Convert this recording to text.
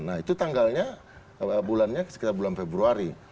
nah itu tanggalnya bulannya sekitar bulan februari